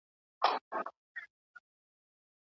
د ُملا په څېر به ژاړو له اسمانه